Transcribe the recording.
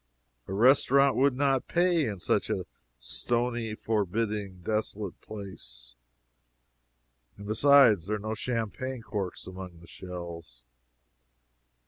A restaurant would not pay in such a stony, forbidding, desolate place. And besides, there were no champagne corks among the shells.